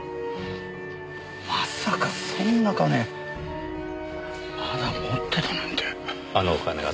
まさかそんな金まだ持ってたなんて。